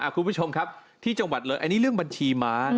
คุณผู้ชมครับที่จังหวัดเลยอันนี้เรื่องบัญชีม้า